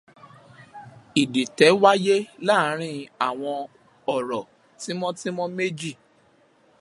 Ìdìtẹ̀ wáyé láàárín àwọn ọ̀rọ̀ tímọ́tímọ́ méjì.